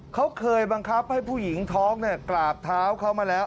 เขาเคยบังคับให้ผู้หญิงท้องกราบเท้าเขามาแล้ว